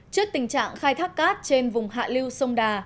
trước tình trạng khai thác cát trên vùng hạ lưu sông đà